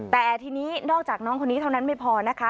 แต่ทีนี้นอกจากน้องคนนี้เท่านั้นไม่พอนะคะ